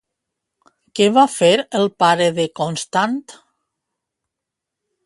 Què va fer el pare de Constant?